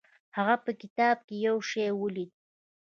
هغه په کتاب کې یو شی ولید.